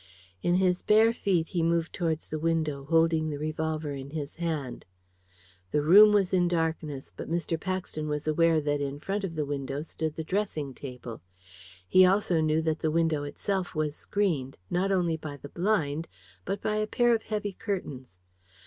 In his bare feet he moved towards the window, holding the revolver in his hand. The room was in darkness, but Mr. Paxton was aware that in front of the window stood the dressing table. He knew also that the window itself was screened, not only by the blind, but by a pair of heavy curtains.